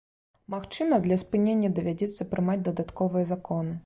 Магчыма, для спынення давядзецца прымаць дадатковыя законы.